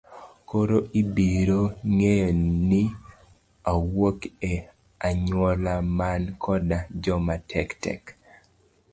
Koro ibiro ng'eyo ni awuok e anyuola man koda joma tek tek.